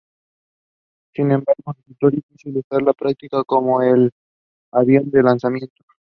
Sin embargo, resultó difícil de usar en la práctica como el avión de lanzamiento.